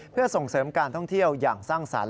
เพื่อส่งเสริมการท่องเที่ยวอย่างสร้างสรรค์